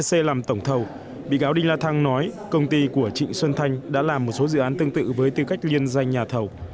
trong phiên làm việc của vũ hồng trương bị cáo đinh la thăng nói công ty của trịnh xuân thanh đã làm một số dự án tương tự với tư cách liên danh nhà thầu